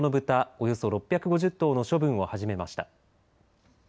およそ６５０頭の処分を始めました。